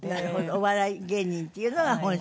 お笑い芸人っていうのが本職。